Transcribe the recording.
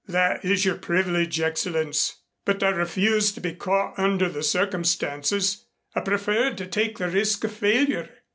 That is your privilege, Excellenz. But I refused to be caught under the circumstances. I preferred to take the risk of failure.